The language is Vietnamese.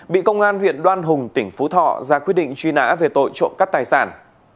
bị công an huyện đoan hùng tỉnh phú thọ ra quyết định truy nã về tội trộm cắt tài sản